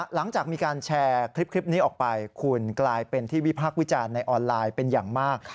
หลังจากมีการแชร์คลิปนี้ออกไปคุณกลายเป็นที่วิพากษ์วิจารณ์ในออนไลน์เป็นอย่างมาก